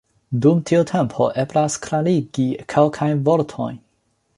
Dum tiu tempo eblas klarigi kelkajn vortojn.